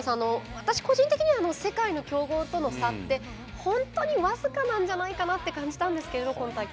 私個人的には世界強豪との差は本当に僅かなんじゃないかと感じたんですけど、この大会。